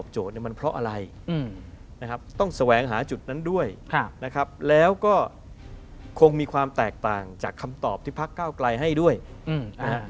จุดนั้นด้วยนะครับแล้วก็คงมีความแตกต่างจากคำตอบที่พรรคเก้าไกลให้ด้วยอืมอ่า